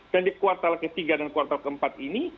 dan di kuartal ke tiga dan kuartal ke empat ini